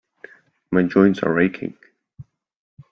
My joints are aching.